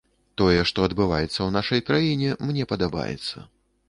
Тое, што адбываецца ў нашай краіне, мне падабаецца.